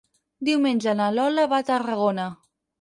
Diumenge na Lola va a Tarragona.